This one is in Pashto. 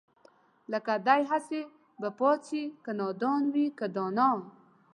لکه دئ هسې به پاڅي که نادان وي که دانا